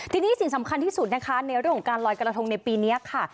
ทีนี้สิ่งสำคัญที่สุดนะคะในเรื่องของการลอยกระทงในปีนี้ค่ะ